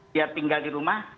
biar tinggal di rumah